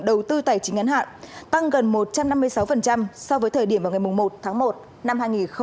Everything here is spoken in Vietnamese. đầu tư tài chính ngắn hạn tăng gần một trăm năm mươi sáu so với thời điểm vào ngày một tháng một năm hai nghìn hai mươi